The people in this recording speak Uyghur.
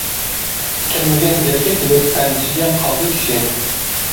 كەلمىگەن يەرگە كېلىپ، ئەندىشىگە قالدى كىشى.